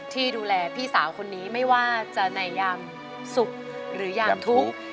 ที่ดูแลพี่สาวคนนี้ไม่ว่าจะในยามสุขหรือยามทุกข์